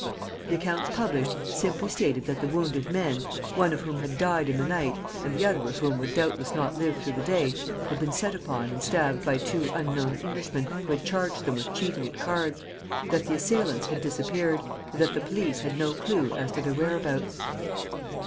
The accounts published simply stated that the wounded men, one of whom had died in the night and the other of whom would doubtless not live through the day, had been set upon and stabbed by two unknown Englishmen who had charged them with cheating at cards; that the assailants had disappeared, and that the police had no clew as to their whereabouts.